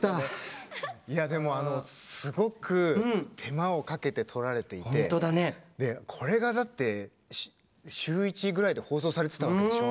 いやでもあのすごく手間をかけて撮られていてこれがだって週１ぐらいで放送されてたわけでしょ？